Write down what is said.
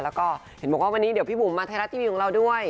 แล้วก็เห็นบอกว่าวันนี้เดี๋ยวพี่บุ๋มมาไทยรัฐทีวีของเราด้วย